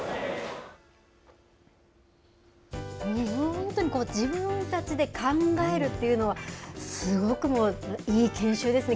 本当に自分たちで考えるっていうのは、すごくもう、いい研修ですね。